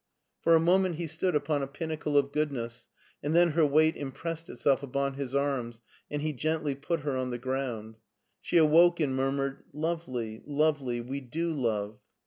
*' For a moment he stood upon a pinnacle of goodness, and then her weight impressed itself upon his arms and he gently put her on the ground. She awoke and murmured, " Lovely, lovely ! we do love."